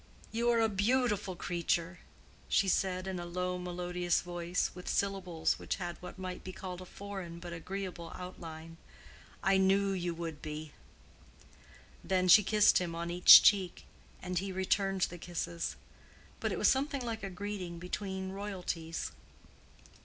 "You are a beautiful creature!" she said, in a low melodious voice, with syllables which had what might be called a foreign but agreeable outline. "I knew you would be." Then she kissed him on each cheek, and he returned the kisses. But it was something like a greeting between royalties.